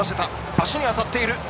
足に当たっている。